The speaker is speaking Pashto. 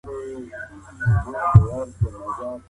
څوک د انساني قاچاق مخه نیسي؟